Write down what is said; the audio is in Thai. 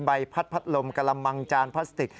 ใบพัดพัดลมกระมังจานพลาสติก